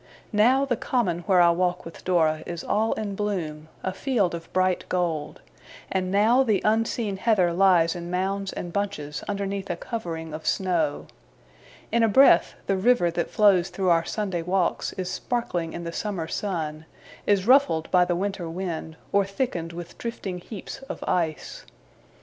Now, the Common where I walk with Dora is all in bloom, a field of bright gold; and now the unseen heather lies in mounds and bunches underneath a covering of snow. In a breath, the river that flows through our Sunday walks is sparkling in the summer sun, is ruffled by the winter wind, or thickened with drifting heaps of ice.